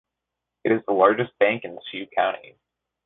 It is the largest bank in Sioux County.